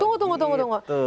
tunggu tunggu tunggu